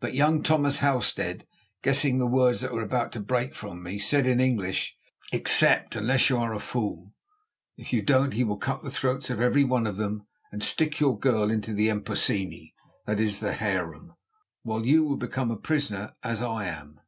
But young Thomas Halstead, guessing the words that were about to break from me, said in English: "Accept unless you are a fool. If you don't he will cut the throats of every one of them and stick your girl into the emposeni" (that is harem), "while you will become a prisoner as I am."